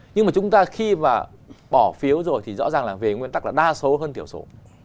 nhưng mà chúng ta khi mà bỏ phiếu rồi thì rõ ràng là về nguyên tắc là đa số hơn tiểu số